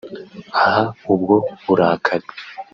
Aha ubwo burakari